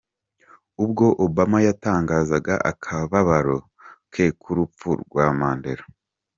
Ubwo Obama yatangazaga akababaro ke ku rupfu rwa Mandela.